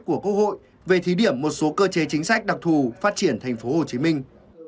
của quốc hội về thí điểm một số cơ chế chính sách đặc thù phát triển thành phố hồ chí minh